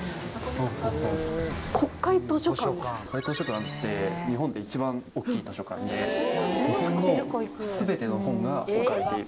国会図書館って日本で一番大きい図書館で日本の全ての本が置かれている。